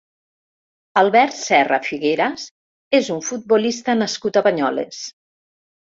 Albert Serra Figueras és un futbolista nascut a Banyoles.